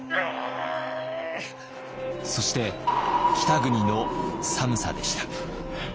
そして北国の寒さでした。